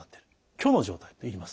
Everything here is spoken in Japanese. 虚の状態といいます。